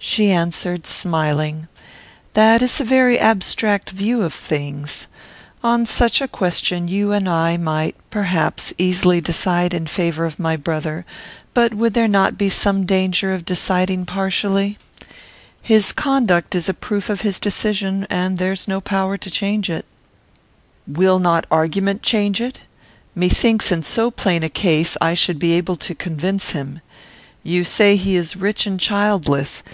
She answered, smiling, "That is a very abstract view of things. On such a question you and I might, perhaps, easily decide in favour of my brother; but would there not be some danger of deciding partially? His conduct is a proof of his decision, and there is no power to change it." "Will not argument change it? Methinks in so plain a case I should be able to convince him. You say he is rich and childless.